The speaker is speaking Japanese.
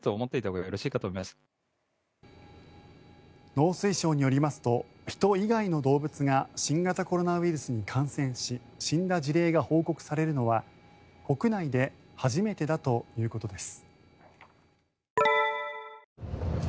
農水省によりますと人以外の動物が新型コロナウイルスに感染し死んだ事例が報告されるのは国内で初めてだということです。